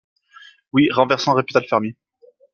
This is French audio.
Oui!... renversant, répéta le fermier.